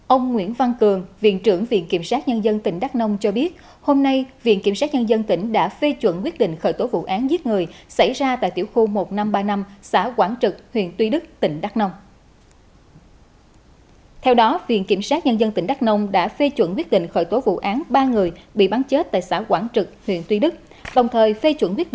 ông nguyễn văn cường viện trưởng viện kiểm sát nhân dân tỉnh đắc nông cho biết hôm nay viện kiểm sát nhân dân tỉnh đã phê chuẩn quyết định khởi tố vụ án giết người xảy ra tại tiểu khu một nghìn năm trăm ba mươi năm xã quảng trực huyện tuy đức tỉnh đắc nông